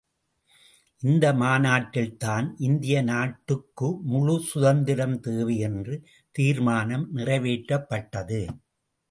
இந்த மாநாட்டில் தான் இந்திய நாட்டுக்கு முழு சுதந்திரம் தேவையென்று தீர்மானம் நிறைவேற்றப்பட்டது.